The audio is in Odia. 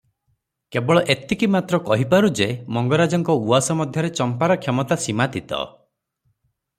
କେବଳ ଏତିକି ମାତ୍ର କହିପାରୁ ଯେ, ମଙ୍ଗରାଜଙ୍କ ଉଆସ ମଧ୍ୟରେ ଚମ୍ପାର କ୍ଷମତା ସୀମାତୀତ ।